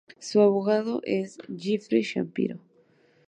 Su abogado es Jeffrey Shapiro.